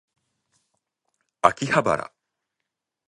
秋葉原